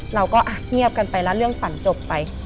เราก็เงียบกันไปแล้วเรื่องฝันจบไป